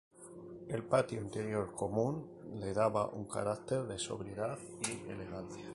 El patio interior común le daba un carácter de sobriedad y elegancia.